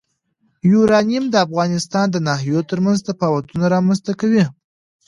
یورانیم د افغانستان د ناحیو ترمنځ تفاوتونه رامنځ ته کوي.